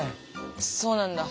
そうなんだ。